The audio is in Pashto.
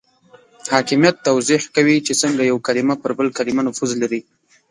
حاکمیت توضیح کوي چې څنګه یو کلمه پر بل کلمه نفوذ لري.